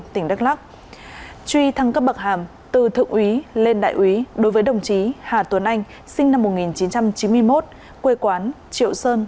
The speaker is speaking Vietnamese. tỉnh đắk lắc truy thăng cấp bậc hàm từ thượng úy lên đại úy đối với đồng chí hà tuấn anh sinh năm một nghìn chín trăm chín mươi một quê quán triệu sơn